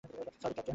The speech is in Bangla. Sorry, captain.